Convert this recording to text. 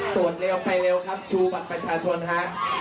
เร็วไปเร็วครับชูบัตรประชาชนฮะ